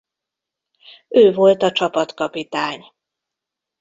Ő volt a csapatkapitány.